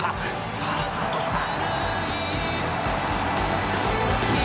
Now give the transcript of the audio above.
「さあスタートした」